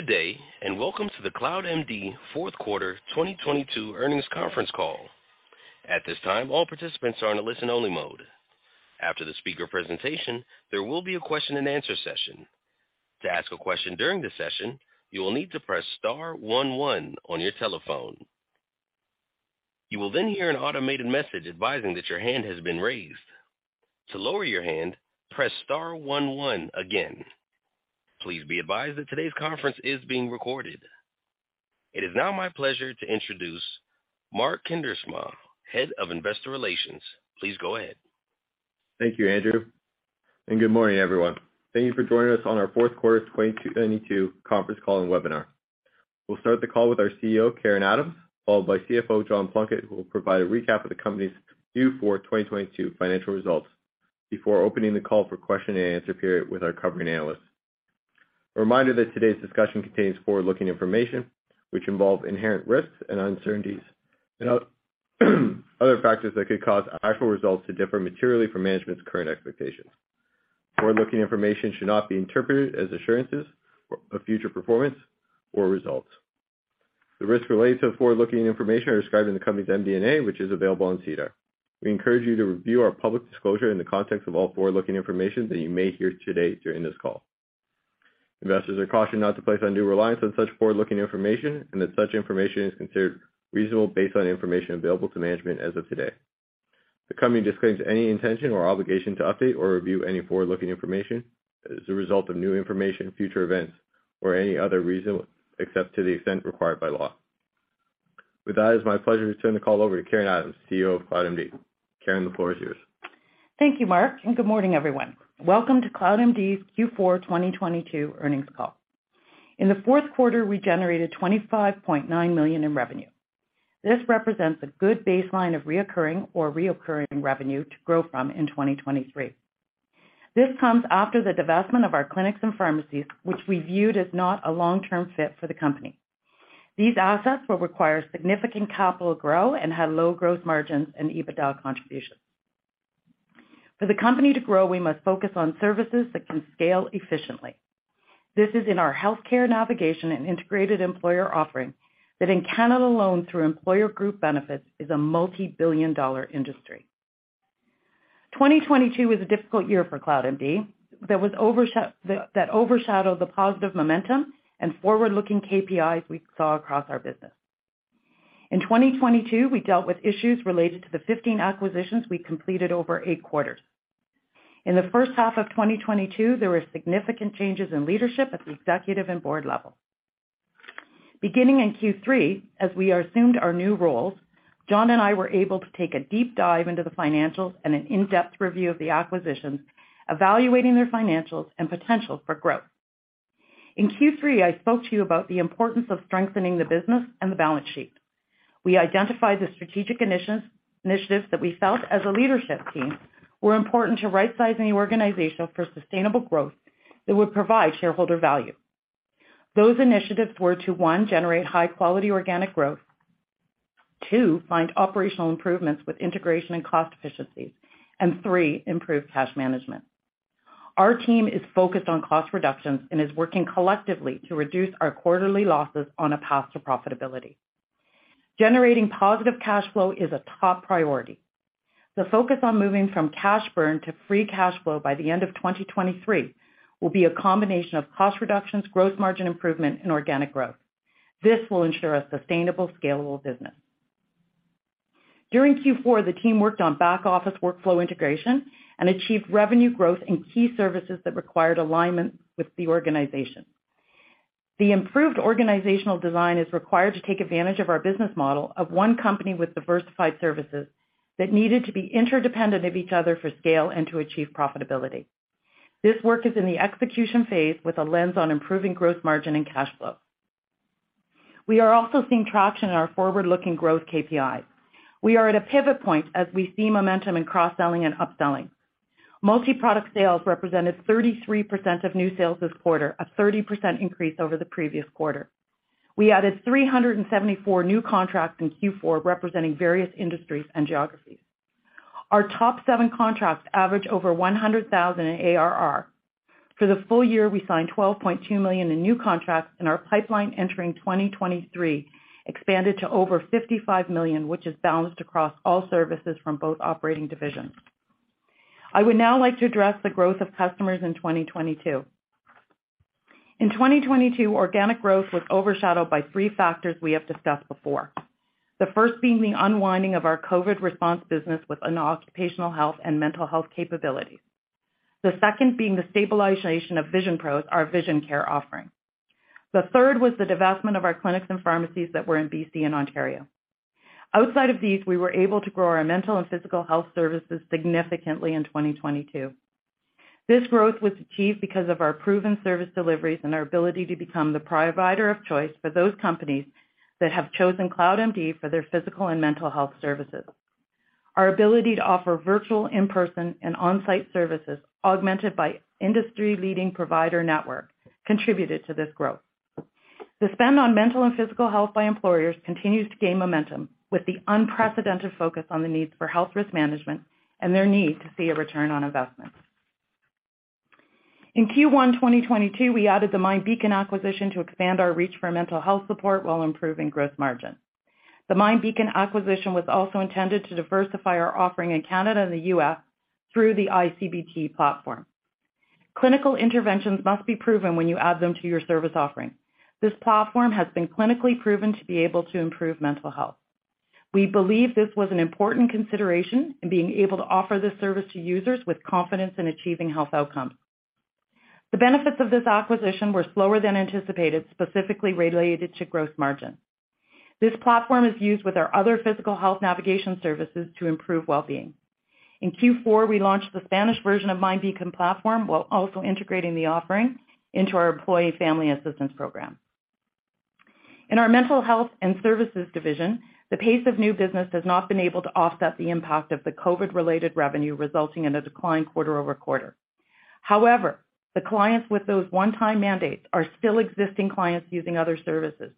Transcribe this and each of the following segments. Good day. Welcome to the CloudMD Q4 2022 earnings conference call. At this time, all participants are in a listen-only mode. After the speaker presentation, there will be a question-and-answer session. To ask a question during the session, you will need to press star one one on your telephone. You will hear an automated message advising that your hand has been raised. To lower your hand, press star one one again. Please be advised that today's conference is being recorded. It is now my pleasure to introduce Mark Kindersma, Head of Investor Relations. Please go ahead. Thank you, Andrew. Good morning, everyone. Thank you for joining us on our Q4 2022 conference call and webinar. We'll start the call with our CEO, Karen Adams, followed by CFO John Plunkett, who will provide a recap of the company's Q4 2022 financial results before opening the call for question-and-answer period with our covering analysts. A reminder that today's discussion contains forward-looking information which involve inherent risks and uncertainties and other factors that could cause actual results to differ materially from management's current expectations. Forward-looking information should not be interpreted as assurances of future performance or results. The risks related to the forward-looking information are described in the company's MD&A, which is available on SEDAR. We encourage you to review our public disclosure in the context of all forward-looking information that you may hear today during this call. Investors are cautioned not to place undue reliance on such forward-looking information and that such information is considered reasonable based on information available to management as of today. The company disclaims any intention or obligation to update or review any forward-looking information as a result of new information, future events or any other reason, except to the extent required by law. With that, it's my pleasure to turn the call over to Karen Adams, CEO of CloudMD. Karen, the floor is yours. Thank you, Mark. Good morning, everyone. Welcome to CloudMD's Q4 2022 earnings call. In the Q4, we generated 25.9 million in revenue. This represents a good baseline of reoccurring revenue to grow from in 2023. This comes after the divestment of our clinics and pharmacies, which we viewed as not a long-term fit for the company. These assets will require significant capital grow and had low growth margins and EBITDA contributions. For the company to grow, we must focus on services that can scale efficiently. This is in our healthcare navigation and integrated employer offering that in Canada alone through employer group benefits is a multi-billion dollar industry. 2022 was a difficult year for CloudMD that overshadowed the positive momentum and forward-looking KPIs we saw across our business. In 2022, we dealt with issues related to the 15 acquisitions we completed over 8 quarters. In the H1 of 2022, there were significant changes in leadership at the executive and board level. Beginning in Q3, as we assumed our new roles, John and I were able to take a deep dive into the financials and an in-depth review of the acquisitions, evaluating their financials and potential for growth. In Q3, I spoke to you about the importance of strengthening the business and the balance sheet. We identified the strategic initiatives that we felt as a leadership team were important to right-sizing the organization for sustainable growth that would provide shareholder value. Those initiatives were to, 1, generate high-quality organic growth. 2, find operational improvements with integration and cost efficiencies. 3, improve cash management. Our team is focused on cost reductions and is working collectively to reduce our quarterly losses on a path to profitability. Generating positive cash flow is a top priority. The focus on moving from cash burn to free cash flow by the end of 2023 will be a combination of cost reductions, gross margin improvement and organic growth. This will ensure a sustainable scalable business. During Q4, the team worked on back office workflow integration and achieved revenue growth in key services that required alignment with the organization. The improved organizational design is required to take advantage of our business model of one company with diversified services that needed to be interdependent of each other for scale and to achieve profitability. This work is in the execution phase with a lens on improving gross margin and cash flow. We are also seeing traction in our forward-looking growth KPIs. We are at a pivot point as we see momentum in cross-selling and upselling. Multi-product sales represented 33% of new sales this quarter, a 30% increase over the previous quarter. We added 374 new contracts in Q4, representing various industries and geographies. Our top seven contracts average over 100,000 in ARR. For the full year, we signed 12.2 million in new contracts. Our pipeline entering 2023 expanded to over 55 million, which is balanced across all services from both operating divisions. I would now like to address the growth of customers in 2022. In 2022, organic growth was overshadowed by three factors we have discussed before. The first being the unwinding of our COVID response business with an occupational health and mental health capabilities. The second being the stabilization of VisionPros, our vision care offering. The third was the divestment of our clinics and pharmacies that were in B.C. and Ontario. Outside of these, we were able to grow our mental and physical health services significantly in 2022. This growth was achieved because of our proven service deliveries and our ability to become the provider of choice for those companies that have chosen CloudMD for their physical and mental health services. Our ability to offer virtual, in-person and on-site services augmented by industry-leading provider network contributed to this growth. The spend on mental and physical health by employers continues to gain momentum with the unprecedented focus on the needs for health risk management and their need to see a return on investment. In Q1 2022, we added the MindBeacon acquisition to expand our reach for mental health support while improving gross margin. The MindBeacon acquisition was also intended to diversify our offering in Canada and the US through the iCBT platform. Clinical interventions must be proven when you add them to your service offering. This platform has been clinically proven to be able to improve mental health. We believe this was an important consideration in being able to offer this service to users with confidence in achieving health outcomes. The benefits of this acquisition were slower than anticipated, specifically related to growth margin. This platform is used with our other physical health navigation services to improve well-being. In Q4, we launched the Spanish version of MindBeacon platform, while also integrating the offering into our Employee and Family Assistance Program. In our mental health and services division, the pace of new business has not been able to offset the impact of the COVID-related revenue, resulting in a decline quarter-over-quarter. However, the clients with those one-time mandates are still existing clients using other services.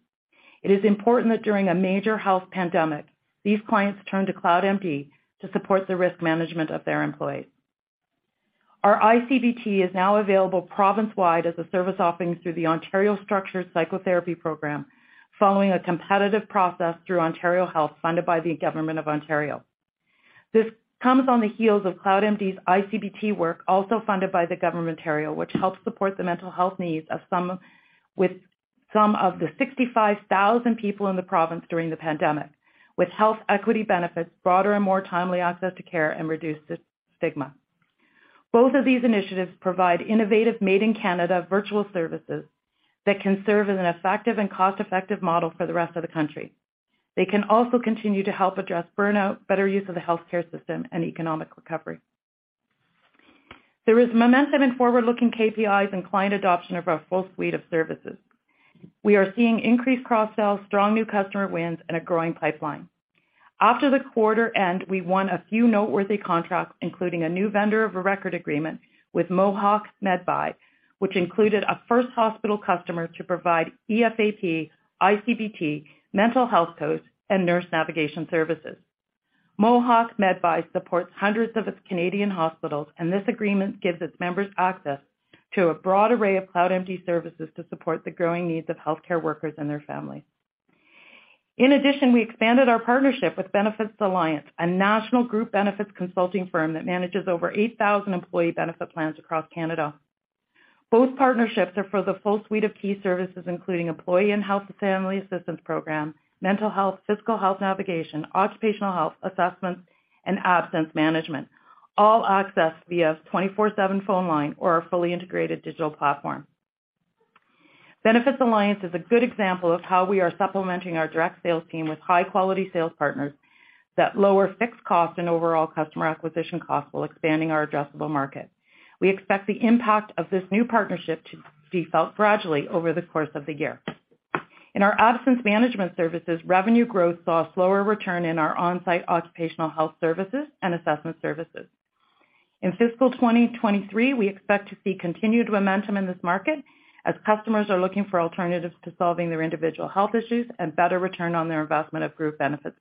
It is important that during a major health pandemic, these clients turn to CloudMD to support the risk management of their employees. Our iCBT is now available province wide as a service offering through the Ontario Structured Psychotherapy Program, following a competitive process through Ontario Health, funded by the Government of Ontario. This comes on the heels of CloudMD's iCBT work, also funded by the Government of Ontario, which helps support the mental health needs with some of the 65,000 people in the province during the pandemic, with health equity benefits, broader and more timely access to care, and reduced stigma. Both of these initiatives provide innovative made in Canada virtual services that can serve as an effective and cost-effective model for the rest of the country. They can also continue to help address burnout, better use of the healthcare system, and economic recovery. There is momentum in forward-looking KPIs and client adoption of our full suite of services. We are seeing increased cross-sells, strong new customer wins, and a growing pipeline. After the quarter end, we won a few noteworthy contracts, including a new vendor of a record agreement with Mohawk Medbuy, which included a first hospital customer to provide EFAP, iCBT, mental health coach, and nurse navigation services. Mohawk Medbuy supports hundreds of its Canadian hospitals, and this agreement gives its members access to a broad array of CloudMD services to support the growing needs of healthcare workers and their families. In addition, we expanded our partnership with Benefits Alliance, a national group benefits consulting firm that manages over 8,000 employee benefit plans across Canada. Both partnerships are for the full suite of key services, including Employee and Family Assistance Program, mental health, physical health navigation, occupational health assessments, and absence management, all accessed via a 24/7 phone line or our fully integrated digital platform. Benefits Alliance is a good example of how we are supplementing our direct sales team with high-quality sales partners that lower fixed costs and overall customer acquisition costs while expanding our addressable market. We expect the impact of this new partnership to be felt gradually over the course of the year. In our absence management services, revenue growth saw a slower return in our on-site occupational health services and assessment services. In fiscal 2023, we expect to see continued momentum in this market as customers are looking for alternatives to solving their individual health issues and better return on their investment of group benefits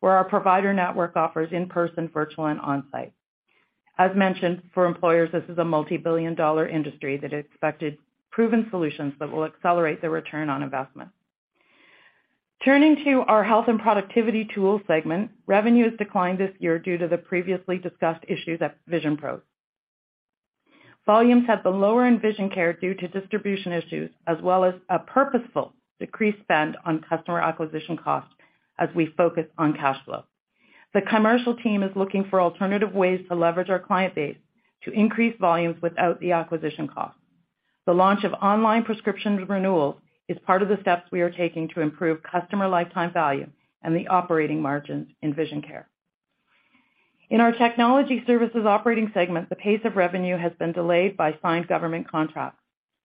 spent. For employers, this is a multi-billion dollar industry that expected proven solutions that will accelerate their ROI. Turning to our health and productivity tools segment, revenue has declined this year due to the previously discussed issues at VisionPros. Volumes have been lower in vision care due to distribution issues as well as a purposeful decreased spend on customer acquisition costs as we focus on cash flow. The commercial team is looking for alternative ways to leverage our client base to increase volumes without the acquisition costs. The launch of online prescription renewals is part of the steps we are taking to improve customer lifetime value and the operating margins in vision care. In our technology services operating segment, the pace of revenue has been delayed by signed government contracts.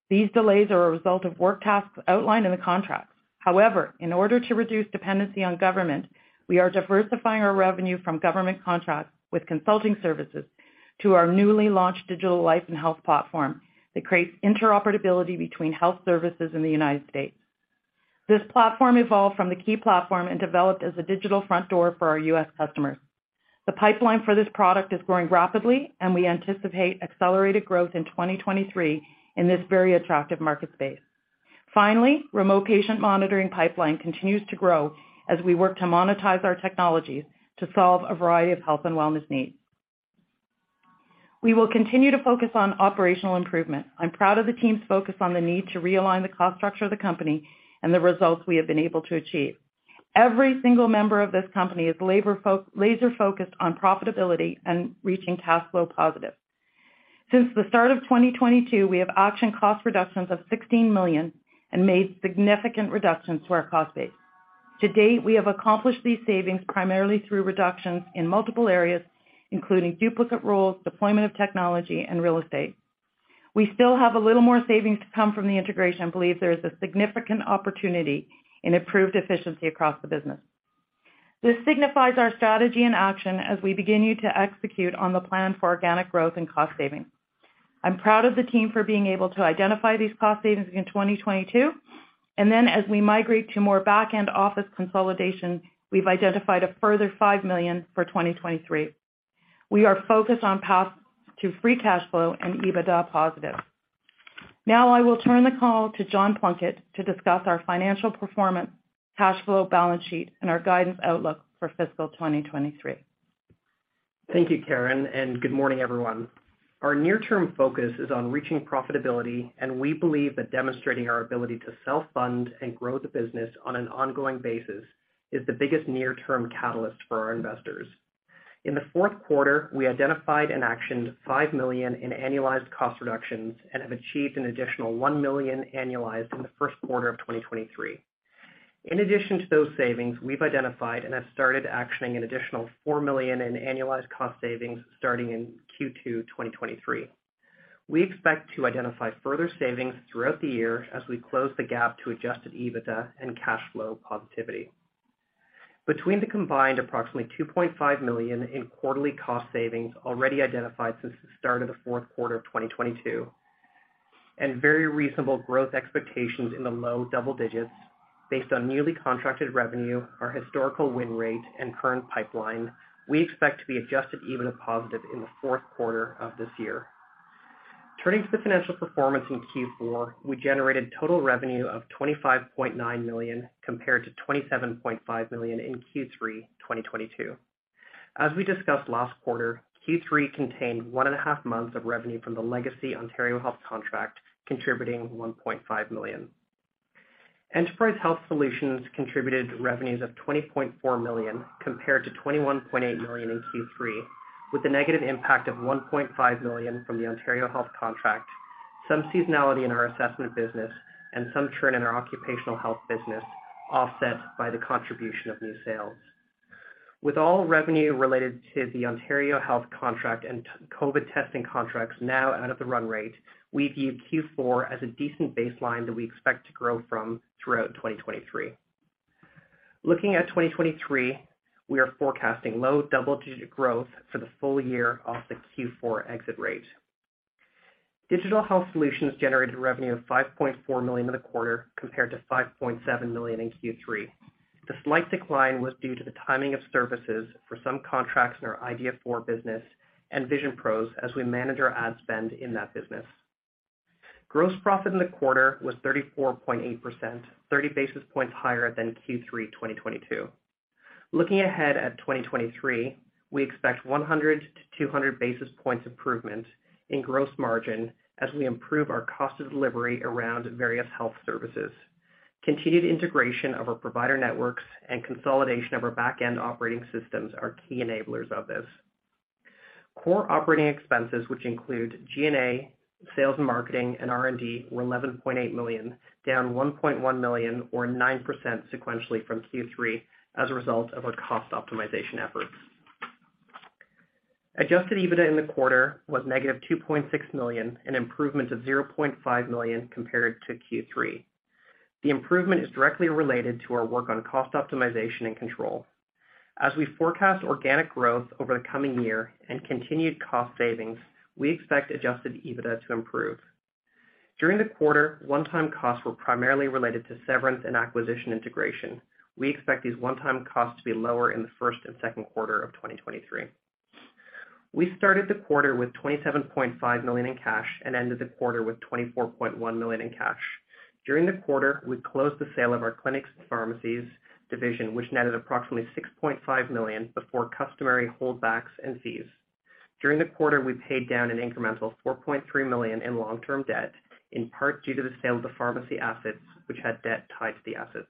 These delays are a result of work tasks outlined in the contracts. In order to reduce dependency on government, we are diversifying our revenue from government contracts with consulting services to our newly launched digital life and health platform that creates interoperability between health services in the United States. This platform evolved from the key platform and developed as a digital front door for our U.S. customers. The pipeline for this product is growing rapidly, and we anticipate accelerated growth in 2023 in this very attractive market space. Remote Patient Monitoring pipeline continues to grow as we work to monetize our technologies to solve a variety of health and wellness needs. We will continue to focus on operational improvement. I'm proud of the team's focus on the need to realign the cost structure of the company and the results we have been able to achieve. Every single member of this company is laser-focused on profitability and reaching cash flow positive. Since the start of 2022, we have actioned cost reductions of 16 million and made significant reductions to our cost base. To date, we have accomplished these savings primarily through reductions in multiple areas, including duplicate roles, deployment of technology, and real estate. We still have a little more savings to come from the integration. I believe there is a significant opportunity in improved efficiency across the business. This signifies our strategy in action as we begin to execute on the plan for organic growth and cost savings. I'm proud of the team for being able to identify these cost savings in 2022. As we migrate to more back-end office consolidation, we've identified a further 5 million for 2023. We are focused on path to free cash flow and EBITDA positive. I will turn the call to John Plunkett to discuss our financial performance, cash flow, balance sheet, and our guidance outlook for fiscal 2023. Thank you, Karen, and good morning, everyone. Our near-term focus is on reaching profitability, and we believe that demonstrating our ability to self-fund and grow the business on an ongoing basis is the biggest near-term catalyst for our investors. In the Q4, we identified and actioned 5 million in annualized cost reductions and have achieved an additional 1 million annualized in the Q1 of 2023. In addition to those savings, we've identified and have started actioning an additional 4 million in annualized cost savings starting in Q2 2023. We expect to identify further savings throughout the year as we close the gap to adjusted EBITDA and cash flow positivity. Between the combined approximately 2.5 million in quarterly cost savings already identified since the start of Q4 2022 and very reasonable growth expectations in the low double digits based on newly contracted revenue, our historical win rate, and current pipeline, we expect to be adjusted EBITDA positive in Q4 of this year. Turning to the financial performance in Q4, we generated total revenue of 25.9 million compared to 27.5 million in Q3 2022. As we discussed last quarter, Q3 contained 1.5 months of revenue from the legacy Ontario Health contract, contributing 1.5 million. Enterprise Health Solutions contributed revenues of 20.4 million compared to 21.8 million in Q3, with a negative impact of 1.5 million from the Ontario Health contract, some seasonality in our assessment business and some churn in our occupational health business, offset by the contribution of new sales. With all revenue related to the Ontario Health contract and COVID testing contracts now out of the run rate, we view Q4 as a decent baseline that we expect to grow from throughout 2023. Looking at 2023, we are forecasting low double-digit growth for the full year off the Q4 exit rate. Digital Health Solutions generated revenue of 5.4 million in the quarter compared to 5.7 million in Q3. The slight decline was due to the timing of services for some contracts in our ID-ware business and VisionPros as we manage our ad spend in that business. Gross profit in the quarter was 34.8%, 30 basis points higher than Q3 2022. Looking ahead at 2023, we expect 100 to 200 basis points improvement in gross margin as we improve our cost of delivery around various health services. Continued integration of our provider networks and consolidation of our back-end operating systems are key enablers of this. Core operating expenses, which include G&A, sales and marketing, and R&D, were 11.8 million, down 1.1 million or 9% sequentially from Q3 as a result of our cost optimization efforts. Adjusted EBITDA in the quarter was -2.6 million, an improvement of 0.5 million compared to Q3. The improvement is directly related to our work on cost optimization and control. As we forecast organic growth over the coming year and continued cost savings, we expect adjusted EBITDA to improve. During the quarter, one-time costs were primarily related to severance and acquisition integration. We expect these one-time costs to be lower in the first and Q2 of 2023. We started the quarter with 27.5 million in cash and ended the quarter with 24.1 million in cash. During the quarter, we closed the sale of our clinics and pharmacies division, which netted approximately 6.5 million before customary holdbacks and fees. During the quarter, we paid down an incremental 4.3 million in long-term debt, in part due to the sale of the pharmacy assets which had debt tied to the assets.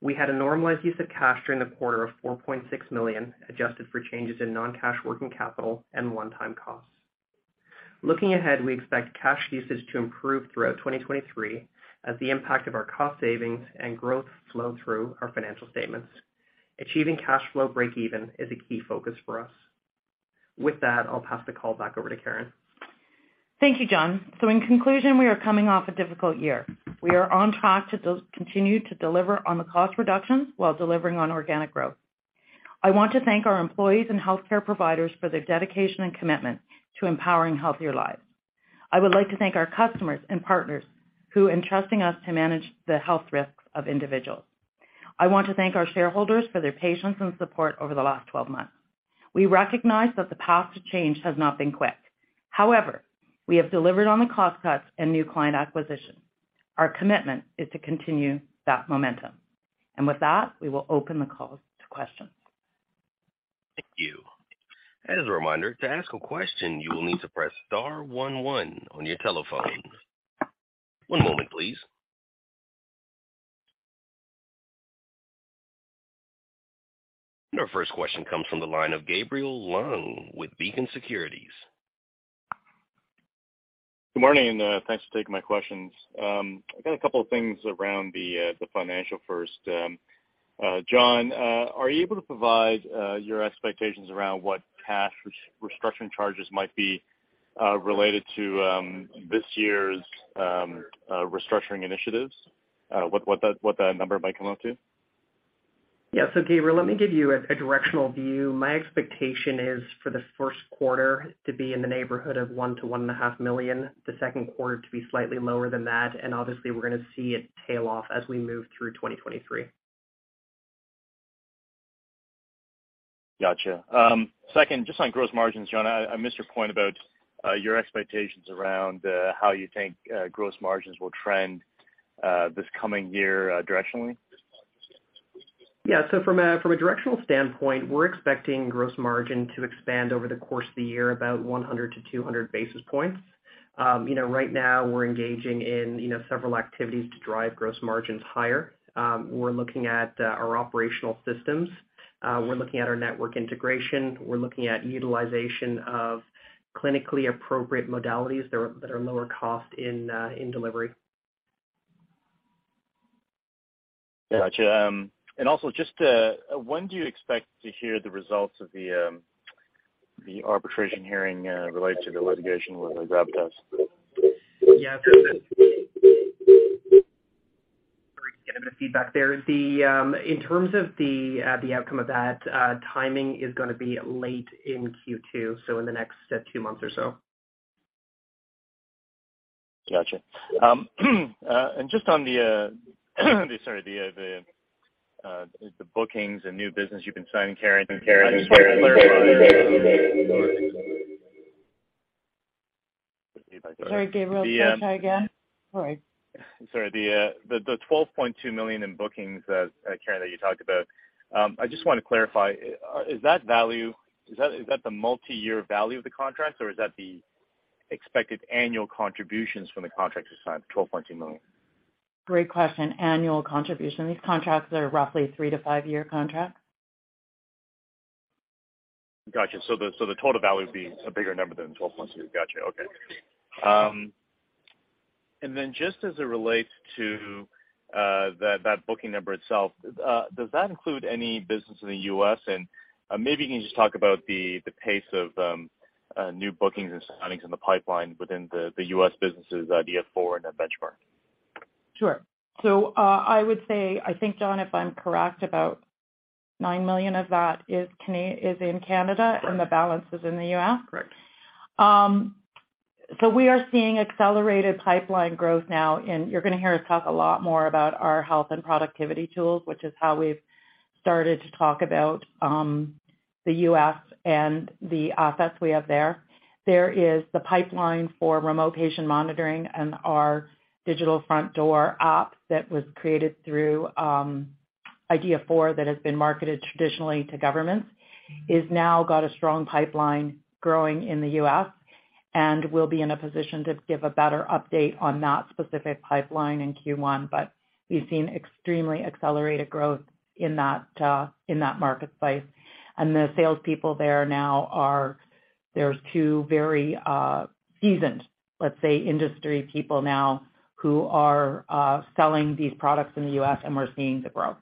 We had a normalized use of cash during the quarter of 4.6 million, adjusted for changes in non-cash working capital and one-time costs. Looking ahead, we expect cash usage to improve throughout 2023 as the impact of our cost savings and growth flow through our financial statements. Achieving cash flow breakeven is a key focus for us. With that, I'll pass the call back over to Karen. Thank you, John. In conclusion, we are coming off a difficult year. We are on track to continue to deliver on the cost reductions while delivering on organic growth. I want to thank our employees and healthcare providers for their dedication and commitment to empowering healthier lives. I would like to thank our customers and partners who, in trusting us to manage the health risks of individuals. I want to thank our shareholders for their patience and support over the last 12 months. We recognize that the path to change has not been quick. However, we have delivered on the cost cuts and new client acquisition. Our commitment is to continue that momentum. With that, we will open the call to questions. Thank you. As a reminder, to ask a question, you will need to press star 11 on your telephone. One moment, please. Our first question comes from the line of Gabriel Leung with Beacon Securities. Good morning, thanks for taking my questions. I got a couple of things around the financial first. John, are you able to provide your expectations around what cash restructuring charges might be related to this year's restructuring initiatives? What that number might come out to? Yeah. Gabriel, let me give you a directional view. My expectation is for the Q1 to be in the neighborhood of 1 million to one and a half million, the Q2 to be slightly lower than that, and obviously, we're gonna see it tail off as we move through 2023. Gotcha. Second, just on gross margins, John, I missed your point about your expectations around how you think gross margins will trend this coming year directionally. Yeah. From a directional standpoint, we're expecting gross margin to expand over the course of the year about 100 to 200 basis points. you know, right now we're engaging in, you know, several activities to drive gross margins higher. We're looking at our operational systems. We're looking at our network integration. We're looking at utilization of clinically appropriate modalities that are lower cost in delivery. Gotcha. Also just, when do you expect to hear the results of the arbitration hearing, related to the litigation with VisionPros? Sorry, getting a bit of feedback there. The, in terms of the outcome of that, timing is gonna be late in Q2, so in the next 2 months or so. Gotcha. Just on the, sorry, the bookings and new business you've been signing, Karen? Sorry, Gabriel. Can you try again? Sorry. Sorry. The 12.2 million in bookings that Karen, that you talked about, I just wanna clarify. Is that the multiyear value of the contract, or is that the expected annual contributions from the contract you signed, 12.2 million? Great question. Annual contribution. These contracts are roughly 3-to-5-year contracts. Gotcha. The total value would be a bigger number than 12.2. Gotcha. Okay. Then just as it relates to that booking number itself, does that include any business in the U.S.? Maybe you can just talk about the pace of new bookings and signings in the pipeline within the U.S. businesses, ID-ware and then Benchmark. Sure. I would say, I think, John, if I'm correct, about 9 million of that is in Canada, and the balance is in the US. Correct. We are seeing accelerated pipeline growth now, and you're gonna hear us talk a lot more about our health and productivity tools, which is how we've started to talk about the U.S. and the assets we have there. There is the pipeline for Remote Patient Monitoring and our digital front door app that was created through ID-ware that has been marketed traditionally to governments. It's now got a strong pipeline growing in the U.S. and we'll be in a position to give a better update on that specific pipeline in Q1. We've seen extremely accelerated growth in that marketplace. The salespeople there now there's 2 very seasoned, let's say, industry people now who are selling these products in the U.S., and we're seeing the growth.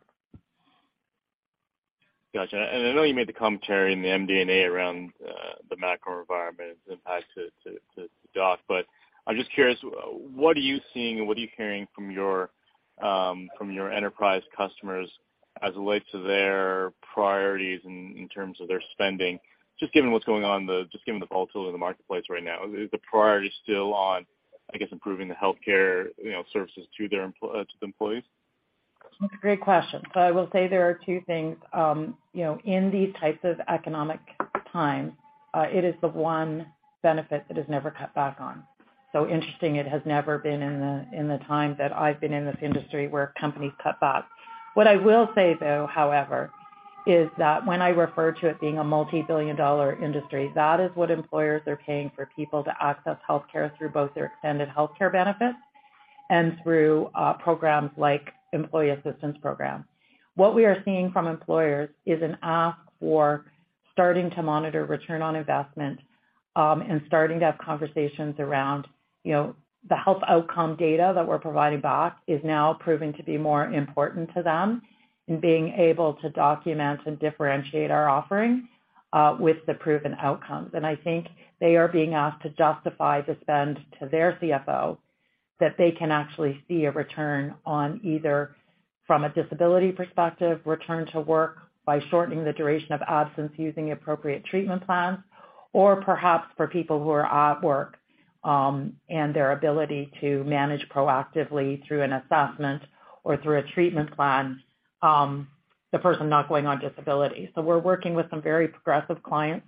Gotcha. I know you made the commentary in the MD&A around the macro environment and its impact to dock. I'm just curious, what are you seeing and what are you hearing from your from your enterprise customers as it relates to their priorities in terms of their spending, just given what's going on, just given the volatility in the marketplace right now? Is the priority still on, I guess, improving the healthcare, you know, services to their employees? That's a great question. I will say there are two things. You know, in these types of economic times, it is the one benefit that is never cut back on. Interesting, it has never been in the, in the time that I've been in this industry where companies cut back. What I will say, though, however, is that when I refer to it being a multi-billion dollar industry, that is what employers are paying for people to access healthcare through both their extended healthcare benefits and through programs like Employee Assistance Program. What we are seeing from employers is an ask for starting to monitor ROI, and starting to have conversations around, you know, the health outcome data that we're providing back is now proving to be more important to them, and being able to document and differentiate our offering, with the proven outcomes. I think they are being asked to justify the spend to their CFO that they can actually see a return on either from a disability perspective, return to work by shortening the duration of absence using appropriate treatment plans, or perhaps for people who are at work, and their ability to manage proactively through an assessment or through a treatment plan, the person not going on disability. We're working with some very progressive clients,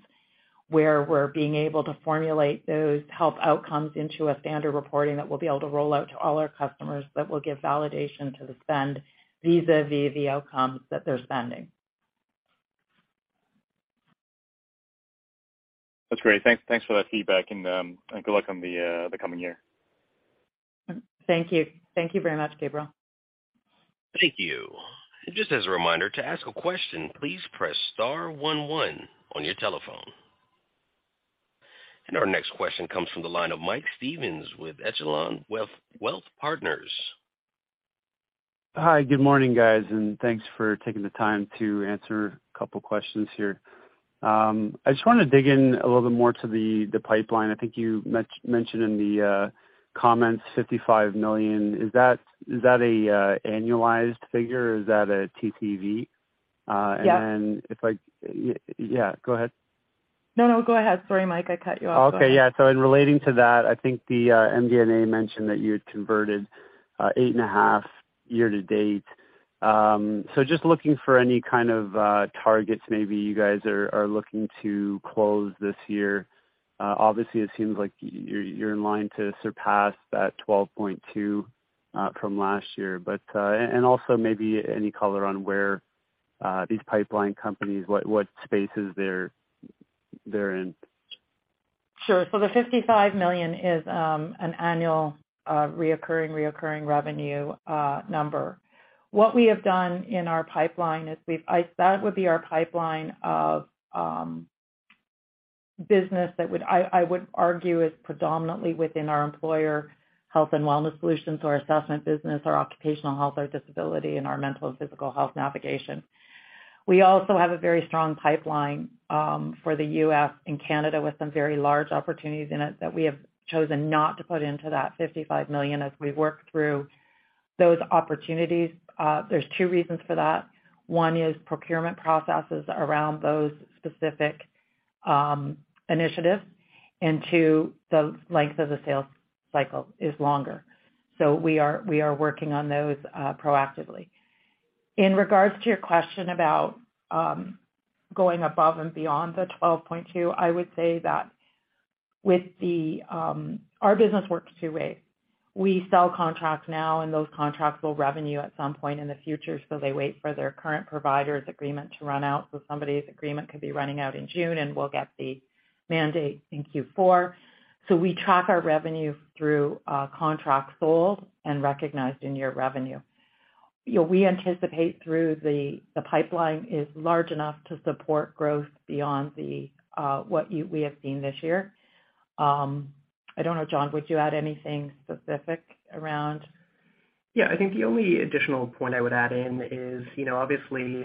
where we're being able to formulate those health outcomes into a standard reporting that we'll be able to roll out to all our customers that will give validation to the spend vis-à-vis the outcomes that they're spending. That's great. Thanks for that feedback, and good luck on the coming year. Thank you. Thank you very much, Gabriel. Thank you. Just as a reminder, to ask a question, please press star one one on your telephone. Our next question comes from the line of Mike Stevens with Echelon Wealth Partners. Hi. Good morning, guys, and thanks for taking the time to answer a couple questions here. I just wanna dig in a little bit more to the pipeline. I think you mentioned in the comments 55 million. Is that an annualized figure or is that a TTV? Yeah. Yeah, go ahead. No, no, go ahead. Sorry, Mike, I cut you off. Go ahead. Okay. Yeah. In relating to that, I think the MD&A mentioned that you had converted 8.5 year to date. Just looking for any kind of targets maybe you guys are looking to close this year. Obviously, it seems like you're in line to surpass that 12.2 from last year. Also maybe any color on where these pipeline companies, what spaces they're in. Sure. The 55 million is an annual reoccurring revenue number. What we have done in our pipeline is that would be our pipeline of business that I would argue is predominantly within our employer health and wellness solutions or assessment business or occupational health or disability, and our mental and physical health navigation. We also have a very strong pipeline for the US and Canada with some very large opportunities in it that we have chosen not to put into that 55 million as we work through those opportunities. There's 2 reasons for that. One is procurement processes around those specific initiatives, and 2, the length of the sales cycle is longer. We are working on those proactively. In regards to your question about going above and beyond the 12.2, I would say that our business works two ways. We sell contracts now, and those contracts will revenue at some point in the future, so they wait for their current provider's agreement to run out. Somebody's agreement could be running out in June, and we'll get the mandate in Q4. We track our revenue through contracts sold and recognized in your revenue. You know, we anticipate through the pipeline is large enough to support growth beyond the what we have seen this year. I don't know, John, would you add anything specific around? Yeah. I think the only additional point I would add in is, you know, obviously,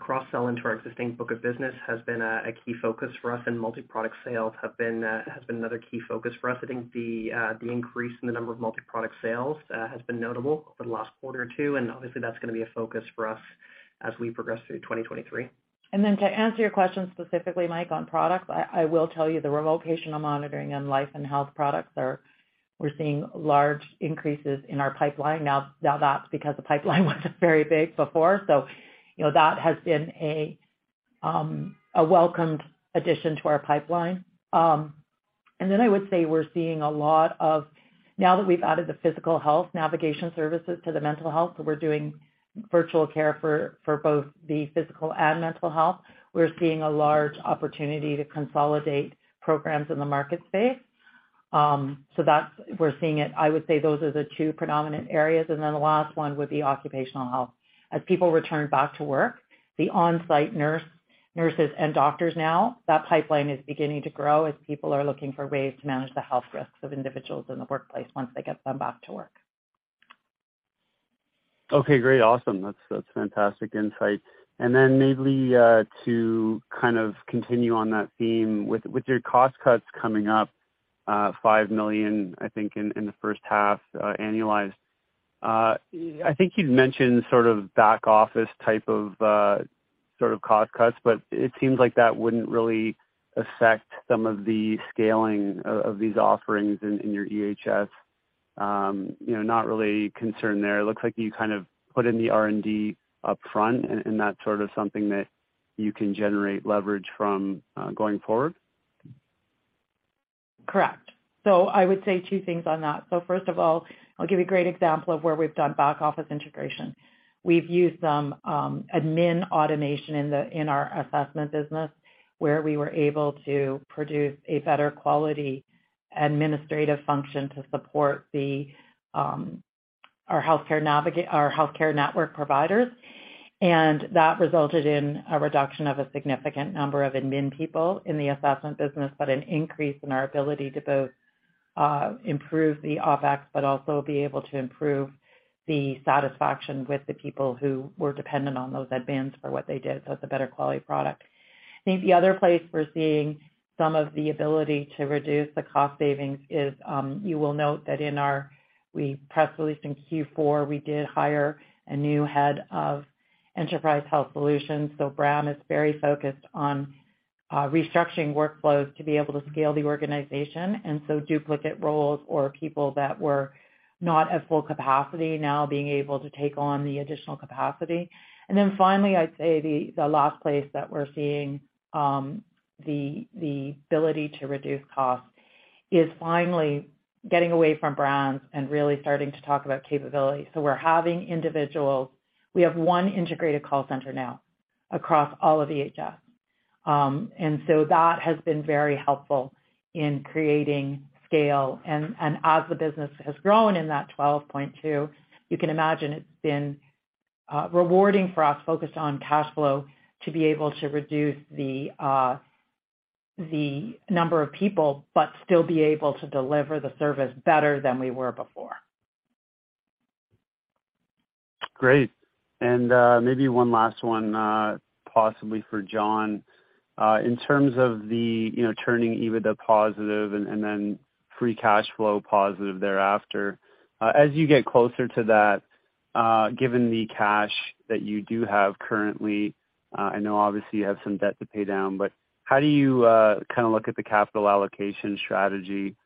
cross-sell into our existing book of business has been a key focus for us, and multi-product sales have been another key focus for us. I think the increase in the number of multi-product sales has been notable for the last quarter or two. Obviously, that's gonna be a focus for us as we progress through 2023. To answer your question specifically, Mike, on products, I will tell you the remote locational monitoring and life and health products are, we're seeing large increases in our pipeline. That's because the pipeline wasn't very big before. You know, that has been a welcomed addition to our pipeline. I would say we're seeing a lot of. Now that we've added the physical health navigation services to the mental health, so we're doing virtual care for both the physical and mental health, we're seeing a large opportunity to consolidate programs in the market space. We're seeing it. I would say those are the two predominant areas. The last one would be occupational health. As people return back to work, the on-site nurses and doctors now, that pipeline is beginning to grow as people are looking for ways to manage the health risks of individuals in the workplace once they get them back to work. Okay, great. Awesome. That's fantastic insight. Maybe to kind of continue on that theme, with your cost cuts coming up, 5 million, I think, in the H1, annualized, I think you'd mentioned sort of back office type of sort of cost cuts, but it seems like that wouldn't really affect some of the scaling of these offerings in your EHS. You know, not really concerned there. It looks like you kind of put in the R&D upfront and that's sort of something that you can generate leverage from going forward. Correct. I would say two things on that. First of all, I'll give you a great example of where we've done back office integration. We've used some admin automation in our assessment business, where we were able to produce a better quality administrative function to support the our healthcare network providers. That resulted in a reduction of a significant number of admin people in the assessment business, but an increase in our ability to both improve the OpEx but also be able to improve the satisfaction with the people who were dependent on those admins for what they did, so it's a better quality product. I think the other place we're seeing some of the ability to reduce the cost savings is, you will note that we press released in Q4, we did hire a new Head of Enterprise Health Solutions. Bram is very focused on restructuring workflows to be able to scale the organization. Duplicate roles or people that were not at full capacity now being able to take on the additional capacity. Finally, I'd say the last place that we're seeing, the ability to reduce costs is finally getting away from brands and really starting to talk about capabilities. We're having individuals. We have 1 integrated call center now across all of EHS. That has been very helpful in creating scale. As the business has grown in that 12.2, you can imagine it's been rewarding for us, focused on cash flow, to be able to reduce the number of people, but still be able to deliver the service better than we were before. Great. Maybe one last one, possibly for John. In terms of the, you know, turning EBITDA positive and then free cash flow positive thereafter, as you get closer to that, given the cash that you do have currently, I know obviously you have some debt to pay down, but how do you kinda look at the capital allocation strategy?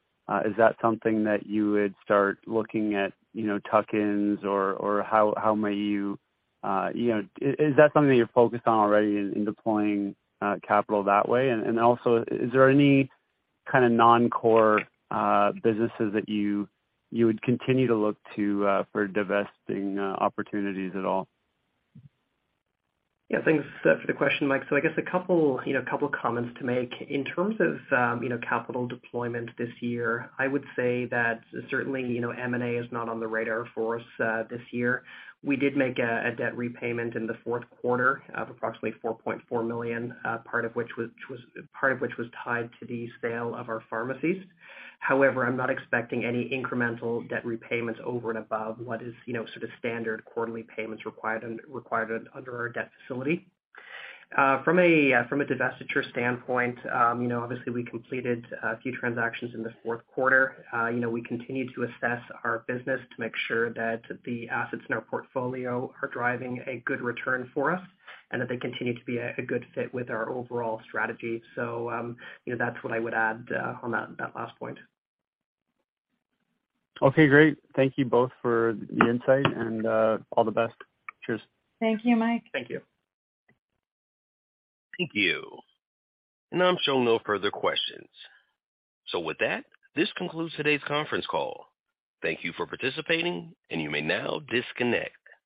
Is that something that you would start looking at, you know, tuck-ins or how may you know, is that something you're focused on already in deploying capital that way? Also, is there any kinda non-core businesses that you would continue to look to for divesting opportunities at all? Yeah, thanks for the question, Mike. I guess a couple, you know, couple comments to make. In terms of, you know, capital deployment this year, I would say that certainly, you know, M&A is not on the radar for us this year. We did make a debt repayment in the Q4 of approximately 4.4 million, part of which was tied to the sale of our pharmacies. I'm not expecting any incremental debt repayments over and above what is, you know, sort of standard quarterly payments required under our debt facility. From a divestiture standpoint, you know, obviously we completed a few transactions in the Q4. You know, we continue to assess our business to make sure that the assets in our portfolio are driving a good return for us and that they continue to be a good fit with our overall strategy. You know, that's what I would add on that last point. Okay, great. Thank you both for the insight and all the best. Cheers. Thank you, Mike. Thank you. Thank you. I'm showing no further questions. With that, this concludes today's conference call. Thank you for participating, and you may now disconnect.